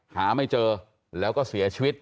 หาไม่เจอแล้วก็เสียชีวิต